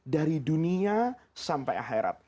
dari dunia sampai akhirat